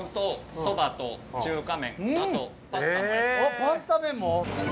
あっパスタ麺も？